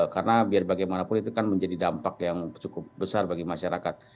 karena biar bagaimanapun itu kan menjadi dampak yang cukup besar bagi masyarakat